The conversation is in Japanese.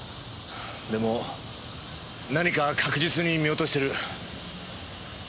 でも何か確実に見落としてる。